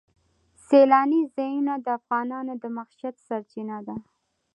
سیلانی ځایونه د افغانانو د معیشت سرچینه ده.